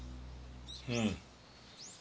うん。